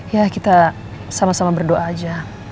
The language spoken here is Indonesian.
ya kita sama sama berdoa aja